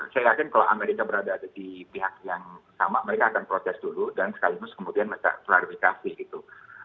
saya yakin kalau amerika berada di pihak yang sama mereka akan protes dulu dan sekaligus kemudian klarifikasi gitu